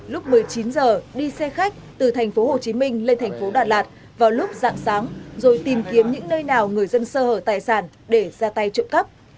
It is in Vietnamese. lúc một mươi chín h đi xe khách từ thành phố hồ chí minh lên thành phố đà lạt vào lúc dạng sáng rồi tìm kiếm những nơi nào người dân sơ hở tài sản để ra tay trộm cắp